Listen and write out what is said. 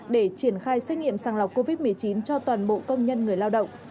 để triển khai xét nghiệm sàng lọc covid một mươi chín cho toàn bộ công nhân người lao động